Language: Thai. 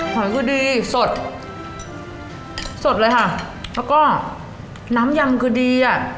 อยคือดีสดสดเลยค่ะแล้วก็น้ำยำคือดีอ่ะ